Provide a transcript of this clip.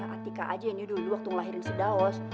atika aja ini dulu waktu ngelahirin si daos